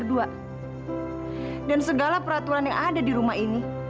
dan segala peraturan yang ada di rumah ini